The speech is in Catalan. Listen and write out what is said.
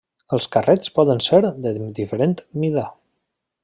Els carrets poden ser de diferent mida.